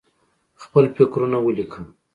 خپل فکرونه ولیکه.